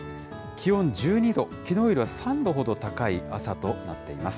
気温１２度、きのうよりは３度ほど高い朝となっています。